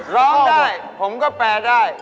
ร้องได้ผมก็แปลได้